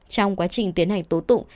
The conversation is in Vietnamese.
trong quá trình tiến hành tố tụng